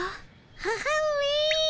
母上！